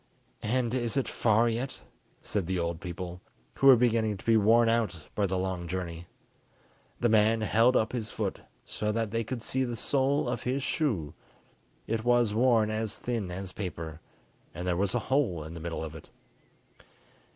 "And is it far yet?" said the old people, who were beginning to be worn out by the long journey. The man held up his foot so that they could see the sole of his shoe; it was worn as thin as paper, and there was a hole in the middle of it.